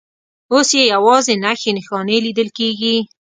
اوس یې یوازې نښې نښانې لیدل کېږي.